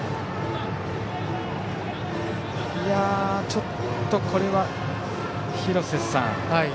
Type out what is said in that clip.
ちょっと、これは廣瀬さん。